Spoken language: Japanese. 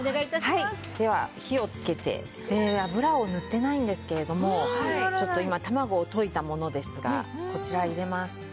はいでは火をつけて油を塗ってないんですけれどもちょっと今卵を溶いたものですがこちら入れます。